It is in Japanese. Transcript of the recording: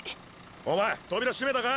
お前扉閉めたか？